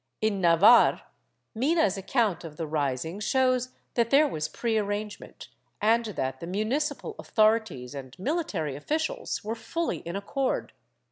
In Navarre, Mina's account of the rising shows that there was prearrangement, and that the municipal authorities and military officials were fully in accord.